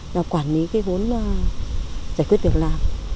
nó quản lý cái vốn giải quyết việc làm